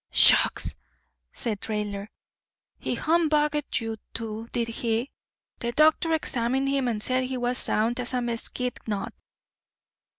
"Shucks!" said Raidler. "He humbugged you, too, did he? The doctor examined him and said he was sound as a mesquite knot."